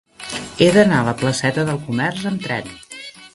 He d'anar a la placeta del Comerç amb tren.